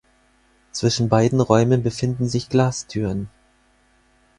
Zwischen beiden Räumen befinden sich Glastüren.